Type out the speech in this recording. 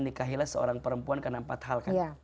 nikahilah seorang perempuan karena empat hal kan